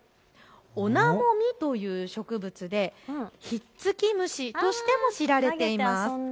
オナモミという植物でひっつき虫としても知られています。